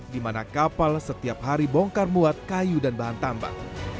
di mana kapal setiap hari bongkar muat kayu dan bahan tambang